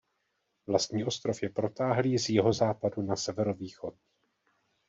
Vlastní ostrov je protáhlý z jihozápadu na severovýchod.